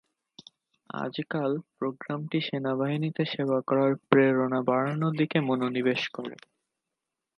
আজকাল, প্রোগ্রামটি সেনাবাহিনীতে সেবা করার প্রেরণা বাড়ানোর দিকে মনোনিবেশ করে।